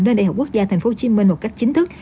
lên đại học quốc gia tp hcm một cách chính thức